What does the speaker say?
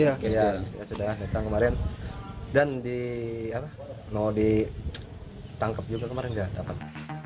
iya bik sd datang kemarin dan mau ditangkap juga kemarin gak dapat